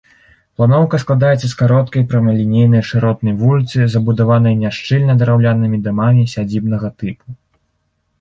Планоўка складаецца з кароткай прамалінейнай шыротнай вуліцы, забудаванай няшчыльна драўлянымі дамамі сядзібнага тыпу.